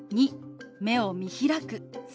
２目を見開く。